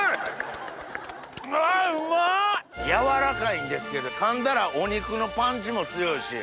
軟らかいんですけどかんだらお肉のパンチも強いし。